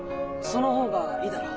その方がいいだろ？